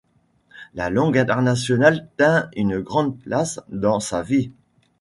La langue internationale tint une grande place dans sa vie.